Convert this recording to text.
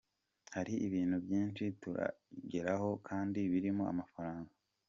Hari ibintu byinshi tutarageraho kandi birimo amafaranga.